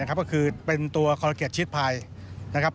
ก็คือเป็นตัวคอลร่าเกียรติชิทช์พายนะครับ